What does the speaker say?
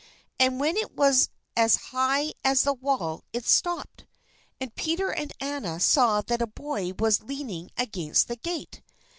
And when it was as high as the wall it stopped, and Peter and Anna saw that a boy was leaning against the gate.